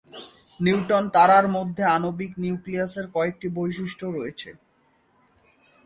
Neutron তারার মধ্যে আণবিক নিউক্লিয়াসের কয়েকটি বৈশিষ্ট্য রয়েছে।